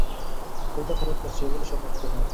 বলতে খারাপ লাগছে, ওগুলো সব অর্থহীন।